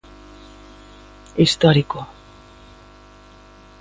"Histórico".